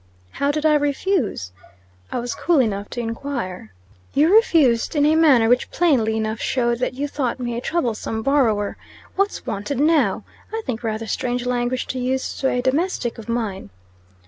"How did I refuse?" I was cool enough to inquire. "You refused in a manner which plainly enough snowed that you thought me a troublesome borrower. 'What's wanted now?' I think rather strange language to use to a domestic of mine."